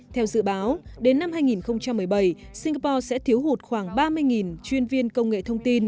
theo dự báo đến năm hai nghìn một mươi bảy singapore sẽ thiếu hụt khoảng ba mươi chuyên viên công nghệ thông tin